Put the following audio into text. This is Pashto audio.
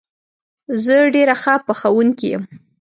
زه ډېره ښه پخوونکې یم